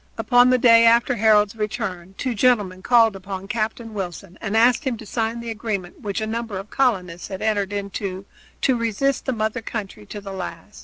Upon the day after Harold's return two gentlemen called upon Captain Wilson and asked him to sign the agreement which a number of colonists had entered into to resist the mother country to the last.